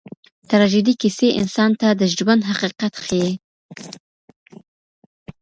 تراژیدي کیسې انسان ته د ژوند حقیقت ښیي.